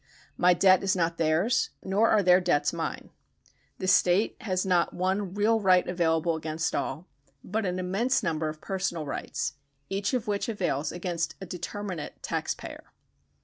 My debt is not theirs, nor are their debts mine. The state has not one real right available against all, but an immense number of personal rights, each of which avails against a determinate tax payer.